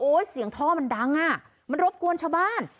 เสียงท่อมันดังอ่ะมันรบกวนชาวบ้าน